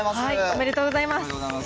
おめでとうございます。